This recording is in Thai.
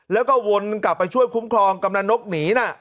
แล้วก็วนกลับไปช่วยคุ้มครองกำนันนกหนีนะ